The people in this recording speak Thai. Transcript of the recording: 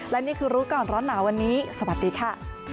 และนี่คือรู้ก่อนร้อนหนาวันนี้สวัสดีค่ะ